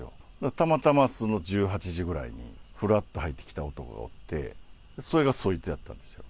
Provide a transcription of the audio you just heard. たまたま１８時ぐらいに、ふらっと入ってきた男がおって、それがそいつやったんですよ。